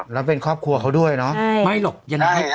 แล้วเป็นครอบครัวเขาด้วยเนอะ